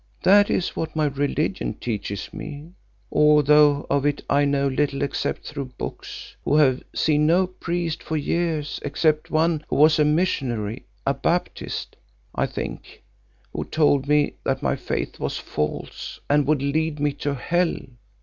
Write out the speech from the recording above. That is what my religion teaches me, although of it I know little except through books, who have seen no priest for years except one who was a missionary, a Baptist, I think, who told me that my faith was false and would lead me to hell.